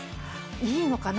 いいのかな？